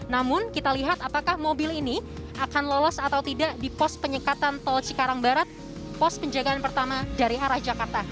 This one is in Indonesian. namun kita lihat apakah mobil ini akan lolos atau tidak di pos penyekatan tol cikarang barat pos penjagaan pertama dari arah jakarta